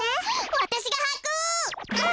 わたしがはく！